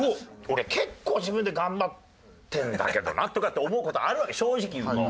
俺結構自分で頑張ってるんだけどなとかって思う事あるわけ正直言うと。